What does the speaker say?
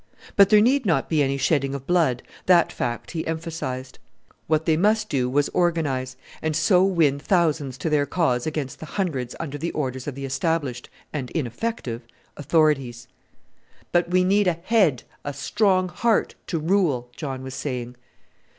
But there need not be any shedding of blood, that fact he emphasized. What they must do was organize, and so win thousands to their cause against the hundreds under the orders of the established and ineffective authorities. "But we need a head, a strong heart, to rule," John was saying.